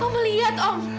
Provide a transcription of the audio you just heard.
om lihat om